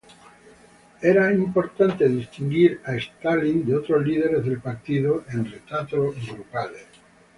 Era importante distinguir a Stalin de otros líderes del Partido en retratos grupales.